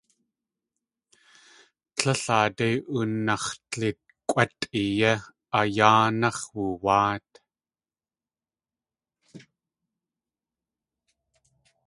Tlél aadé oonax̲dlikʼwátʼi yé a yáanáx̲ woowáat.